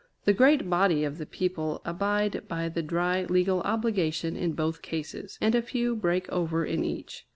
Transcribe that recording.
The great body of the people abide by the dry legal obligation in both cases, and a few break over in each.